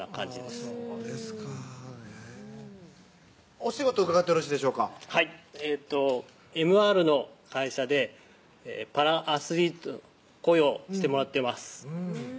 お仕事伺ってよろしいでしょうかはいＭＲの会社でパラアスリート雇用してもらってます